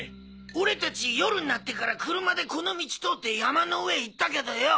俺達夜になってから車でこの道通って山の上へ行ったけどよぉ。